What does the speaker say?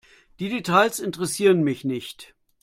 Die Details interessieren mich nicht.